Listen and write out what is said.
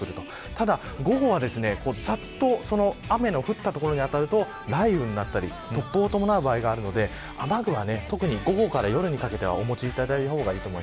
ただ午後はざっと雨の降った所に当たると雷雨になったり突風を伴う場合があるので特に午後から夜にかけては雨具を持っていてください。